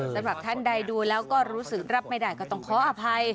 สำหรับท่านใดดูแล้วก็รู้สึกรับไม่ได้ก็ต้องขออภัย